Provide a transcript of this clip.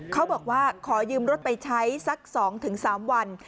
เขาบอกว่าขอยืมรถไปใช้สัก๒๓วัน